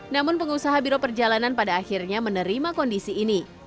namun pengusaha biro perjalanan pada akhirnya menerima kondisi ini